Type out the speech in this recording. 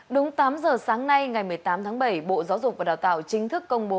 đúng tám giờ sáng nay ngày một mươi tám tháng bảy bộ giáo dục và đào tạo chính thức công bố